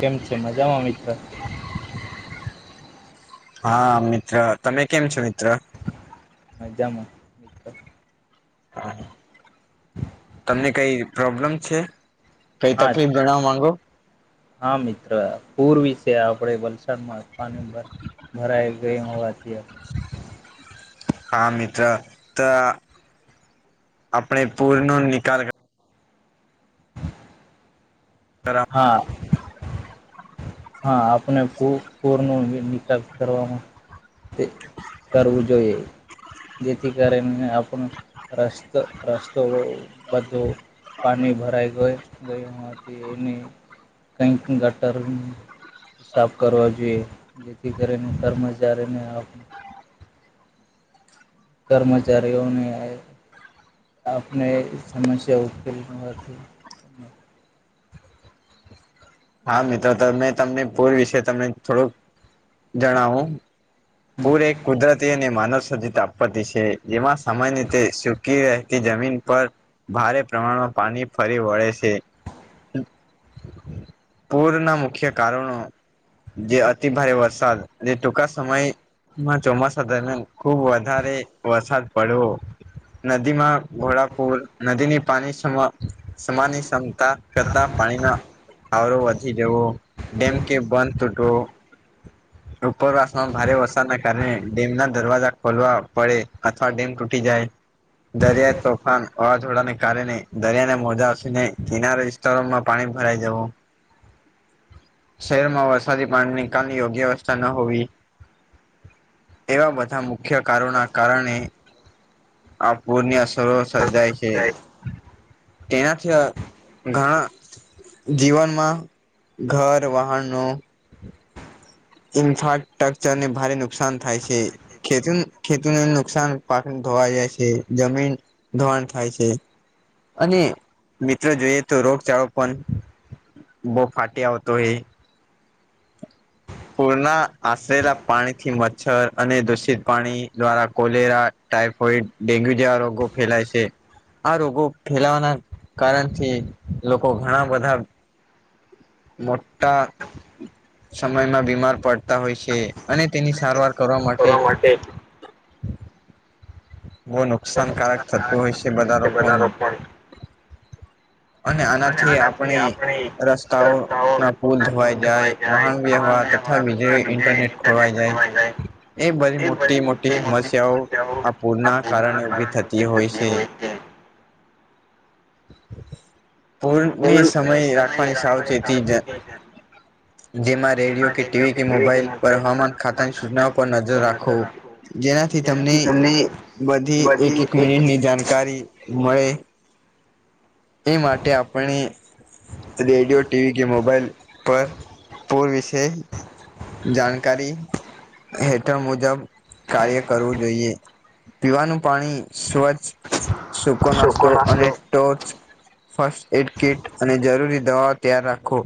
કેમ છે મજામાં મિત્ર? [unintelligible] [inaudible] હા મિત્ર. તમે કેમ છો મિત્ર? મજામાં. મિત્ર તમને કંઈ પ્રોબ્લેમ છે? કંઈ હા તકલીફ જણાવવા માંગો? ત્યાં આપણે વલસાડમાં પાણી ભ ભરાઈ ગયું હોવાથી. હા મિત્ર. ત આપણે પુરનો નિકાલ કર કરા. હા. હા આપને પૂર પૂરનો નિકાલ કરવામાં. એ કરવું જોઈએ. જેથી કરીને આપણો રસ્તો રસ્તો બધો. પાની ભરાઈ ગયું ગયું હોવાથી એની કઈક ગટર તો સાફ કરવા જોઈએ. જેથી કરીને કર્મચારીને આપ કર્મચારીઓને એ આપને સમસ્યા ઉકેલ મળવાથી હા મિત્ર તે મેં તમને પૂર વિશે તમને થોડુંક જણાવું. પૂર એક કુદરતી અને માનવ સર્જિત આપત્તિ છે. જેમાં સામાન્ય રીતે સુકી રહેતી જમીન પર. ભારે પ્રમાણમાં પાની ફરી વળે છે. પૂરના મુખ્ય કારણો. જે અતિ ભારે વરસાદ અને ટૂંકા સમયે માં ચોમાસા દરમિયાન ખુબ વધારે વરસાદ પડવો. નદીમાં ઘોડાપુર, નદીની પાણી સમ સમાનની ક્ષમતા કરતા પાણીના આરો વધી જવો, ડેમ કે બંધ તૂટવો. ઉપર આસમા ભારે વર્ વરસાદના કારણે ડેમના દરવાજા ખોલવા પડે, અથવા ડેમ તૂટી જાય. દરિયા, તોફાન, વાવાઝોડાને કારણે દરિયાને મોજાને કિનારે. સ્થળોમાં પાણી ભરાઈ જવું. શહેરમાં વરસાદી પાણીની કમી, યોગ્ય વ્યવસ્થા ન હોવી. એવા બધા મુખ્ય કારોના કારણે આ પૂરની અસ સરો સર્જાય છે. એનાથી અ ઘણા જીવનમાં ઘર, વાહનો. ઇન્ફ્રાટ્રક્ચર ને ભારે નુકસાન થાય છે. ખેતન ખેતુને નુકસાન પાક ધોવાઈ જાય છે, જમીન ધોવાણ થાય છે. અને મિત્ર જોઈએ તો રોગચાળો પણ બહુ ફાટી આવતો હોય. પૂરના આશરેલા પાણીથી મચ્છર અને દૂષિત પાણી દ્વારા કોલેરા, ટાઈફોઈડ, ડેન્ગ્યુ જેવા રોગો ફેલાય છે. આ રોગો ફેલાવાના કારણથી લોકો ઘણા બધાં મોટા સમયમાં બીમાર પડતા હોય છે. અને તેની સારવાર કરવા માટે. બહુ નુકસાનકારક થતું હોય છે બધા લોકોને અને આના થી આપણે રસ્તાઓ ના પુલ ધોવાઈ જાય, વાહન વ્યવહાર. ઠગી જઈ, ઇન્ટરનેટ ખોવાઈ જાય. એ બધી મોટી મોટી સમસ્યાઓ આ પ પૂરના કારણે ઉભી થતી હોય છે. હમ. પૂરને સમય રાખવાની સાવચેતી જ. જેમાં રેડિયો કે ટીવી કે મોબાઈલ પર હવામાન ખાતાની સૂચનાઓ પર નજર રાખો. જેનાથી તમને બધી એક એક મિનિટની જાણકારી મળે. એ માટે આપણે રેડિયો ટીવી કે મોબાઈલ પર પૂર વિશે જાણકારી હેઠળ મુજબ કાર્ય કરવું જોઈએ. પીવાનું પાણી સ્વચ્છ સૂકો નાસ્તો અને ટોચ ફસ્ટ એડ કીટ અને જરૂરી દવા ત્યાર રાખો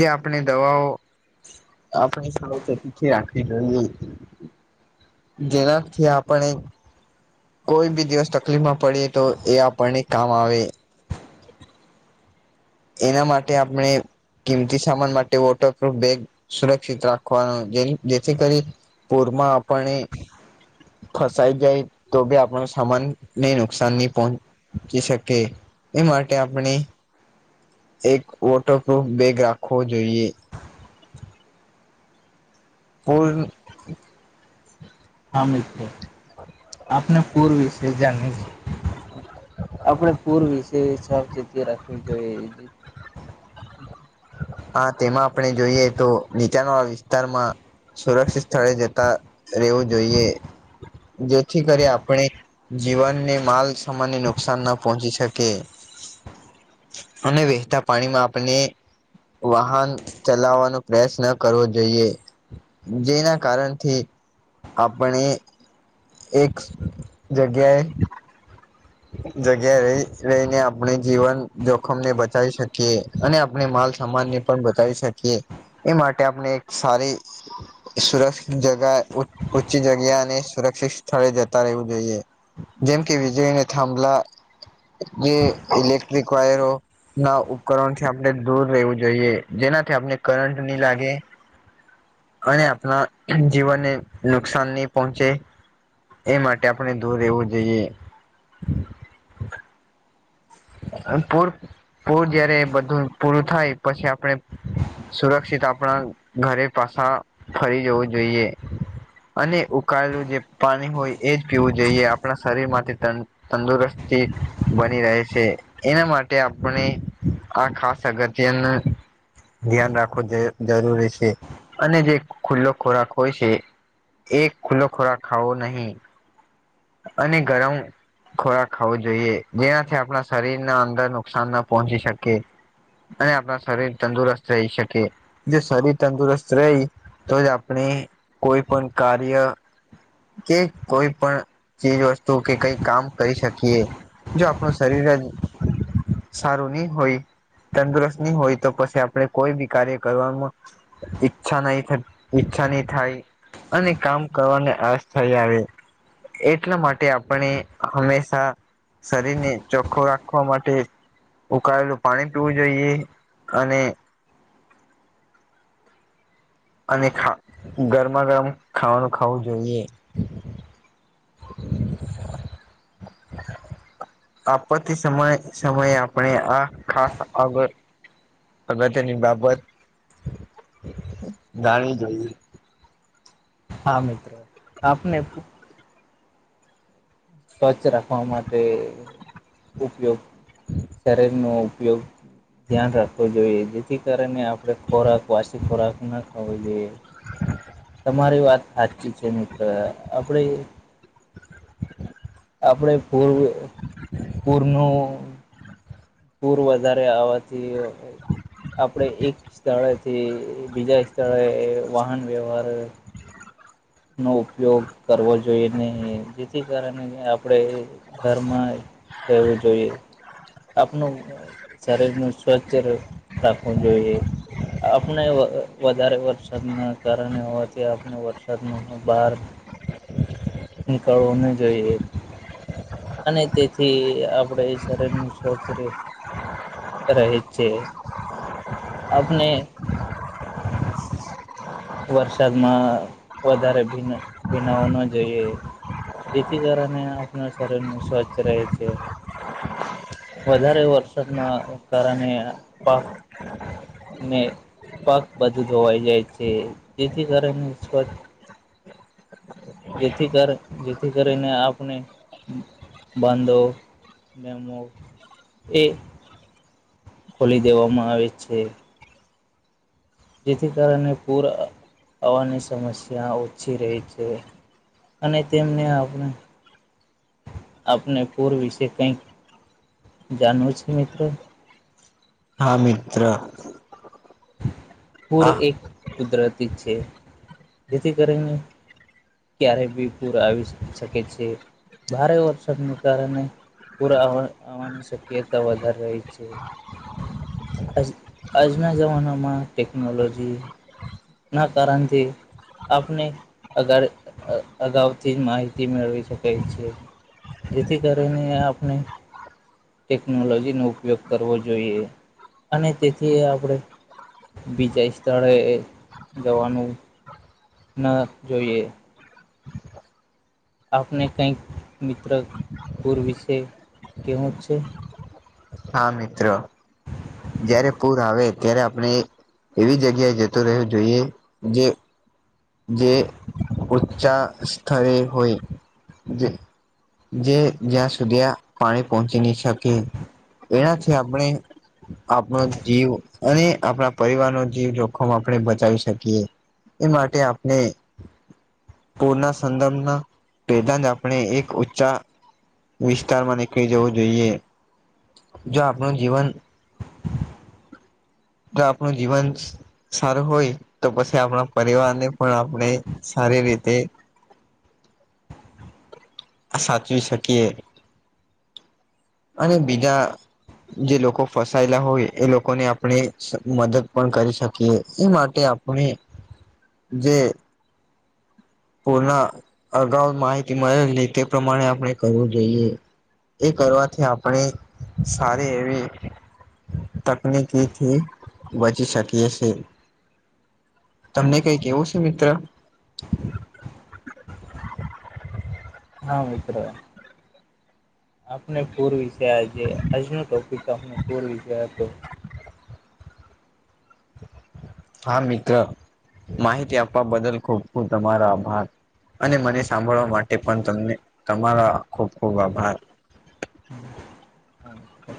જે આપણે દવાઓ આપણી સાવચેતીથી રાખવી જોઈએ. જેનાથી આપણે કોઈ બી દિવસ તકલીફ માં પડી તો એ આપણને કામ આવે એના માટે આપણે કિંમતી સામાન માટે વોટરપ્રુફ બેગ સુરક્ષિત રાખવાનો જેથી કરી પૂરમાં આપણે ફસાઈ જાય તો ભી આપણો સામાન ને નુકસાન નહિ પહોંચ જે શકે એ માટે આપણે એક વોટરપૂફ બેગ રાખવો જોઈએ. કુલ હા મિત્ર આપને પૂર વિશે બી ની આપણે પૂર વિશે સાવચેતી રાખવી જોઈએ. હા તેમાં આપણે જોઈએ તો નીચાન વાળા વિસ્તારમાં સુરક્ષિત સ્થળે જતા રહેેવું જોઈએ જેથી કરી આપણે જીવનને માલ સામાન્ય નુકસાન ના પહોંચી શકે. અને વહેતા પાણીમાં આપને વાહન ચલાવવાનો પ્રયાસ ન કરવો જોઈએ. જેના કારણથી આપણે એક જગ્યાએ જગ્યા રહી રહીને આપણે જીવન જોખમને બચાવી શકીએ અને આપણે માલ સમાન ને પણ બતાવી શકીએ એ માટે આપણે એક સારી સુરક્ષિત જગા ઊચી જગ્યા અને સુરક્ષિત સ્થળે જતા રહેવું જોઈએ જેમ કે વીજળીને થાંભલા જે ઇલેક્ટ્રિક વાયરો ના ઉપકરણથી આપણે દૂર રહેેવું જોઈએ જેનાથી આપને કરટ નહી લાગે. અને આપણા જીવનને નુકસાન નહી પહોંચે. એ માટે આપણે દૂર રહેવું જોઈએ. [inaudible] પૂર પૂર જયારે બધું પૂરું થાય પછી આપણે સુરક્ષિત આપણા ઘરે પાછા ફરી જવું જોઈએ. અને ઉકાળેલું જે પાણી હોય એ જ પીવું જોઈએ આપણા શરીર માંથી તન તંદુરસ્તી બની રહે છે. છે એના માટે આપણે આ ખાસ અગત્યનું ધ્યાન રાખવો જરૂરી છે અને જે ખુલ્લો ખોરાક હોય છે. એક ખુલ્લો ખોરાક ખાઓ નહીં. અને ગરમ ખોરાક ખાવો જોઈએ જેનાથી આપણા શરીર ના અંદર નુકસાન ના પહોંચી શકે. અને આપણા શરીર તંદુરસ્ત રહી શકે જે શરીર તંદુરસ્ત રહે તો જ આપણે કોઈ પણ કાર્ય કે કોઈ પણ ચીજ વસ્તુ કે કઈ કામ કરી શકીએ જો આપણું શરીર જ સારું નહી હોય તંદુરસ્ત નહી હોય તો પછી આપણે કોઈ બી કાર્ય કરવામાં ઈચ્છા નહિ થાય ઈચ્છા નહિ થાય. અને કામ કરવાને આસ થઇ આવે. એટલા માટે આપણે હંમેશા શરીરને ચોખ્ખો રાખ શખવા માટે ઉકળેલું પાણી પીવું જોઈએ અને અને ખા ગરમા ગરમ ખાવાનું ખાવું જોઈએ [inaudible] આપત્તિ સમય સમયે આપણે આ ખાસ આગળ અગત્યની બાબત જાણવી જોઈએ હા મિત્રો આપને સ્વચ્છ રાખવા માટે ઉપયોગ શરીરનો ઉપયોગ ધ્યાન રાખવો જોઈએ જેથી કરીને આપણે ખોરાક વાસી ખોરાક ના ખાવો જોઈએ તમારી વાત સાચી છે મિત્ર આપણે આપડ પૂર પૂરનું પૂર વધારે આવવાથી આપણે એક સ્થળેથી બીજા સ્થળે વાહન વ્યવહાર નો ઉપયોગ કરવો જોઈએ નહી જેથી કારણે આપણે ઘરમાં રહેવું જોઈએ આપનું શરીર નું સ્વચ્છ રાખવું જોઈએ આપણે વધારે વરસાદના કારણે હોવાથી આપણે વરસાદ બહાર નીકળવો નહી જોઈએ એક અને તેથી આપણે શરીરનું સ્વસ્થ રહે રહેે છે આપણે વરસાદમાં વધારે ભી ભીનાવ ન જોઈએ જેથી કારણે આપણા શરીર ન સ્વસ્થ રહે છે વધારે વરસાદ ના કારણે પાક પાક બધું ધોવાઈ જાય છે જેથી કારણે જેથી કરી જેથી કરીને આપને બાંધવને એ ખોલી દેવામાં આવે છે જેથી કારણે પૂર આવવાની સમસ્યા ઓછી રહી છે અને તેમને આપણે આપને પૂર વિશે કઈ જાણવું છે મિત્રો હા મિત્ર પૂર હા એક કુદરતી છે જેથી કરીને ક્યારે બી પૂર આવી શકે છે ભારે વરસાદને કારણે પૂર આવવાની શક્યતા વધારી રહી છે આજના જમાનામાં ટેકનોલોજી ના કારણથી આપને અગ અગાઉથી માહિતી મેળવી શકાય છેી જેીથી કરીને આપણે ટેકનોલોજી નો ઉપયોગ કરવો જોઈએ અને તેથી આપણે બીજા સ્થળે જવાનું ન જોઈએ આપને કંઈક મિત્ર પૂર વિશે કવું છે હા મિત્ર જયારે પૂર આવે ત્યારે આપણે એવી જગ્યાએ જતું રહેવું જોઈએ જે જે ઉચ્ચા સ્તડે હોય જે જે જ્યાં સુધી પાણી પહોંચી નહી શકે એનાથી આપણે આપનો જીવ અને આપણા પરિવાર નો જીવ જોખમ આપણે બચાવી શકીએ એ માટે આપણે પૂરના સંદર્ભના પેલા જ આપણે એક ઉંચા વિસ્તારમાં નીકળી જવું જોઈએ જો આપણું જીવન તો આપણું જીવન સારું હોય તો પછી આપણા પરિવારને પણ આપણે સારી રીતે સાચવી શકીએ. અને બીજા જે લોકો ફસાયેલા હોય એ લોકોને આપણે મદદ પણ કરી શકીએ એ માટે ને જે પૂર્ના અગાઉ માહિતી મળે છે તે પ્રમાણે આપણે કરવું જોઈએ. એ કરવાથી આપણે સારી એવી તકનીકીથી‌ બચી શકીએ છીએ. તમને કઈ કેવું છે મિત્ર? હા મિત્ર આપણે પૂર વિશે આજે આજનો ટોપિક આપને પૂર વિશે હતો. હા મિત્ર માહિતી આપવા બદલ ખૂબ ખૂબ તમારો આભાર અને મને સાંભળવા માટે પણ તમને તમારા ખુબ ખુબ આભાર હા મિત્ર.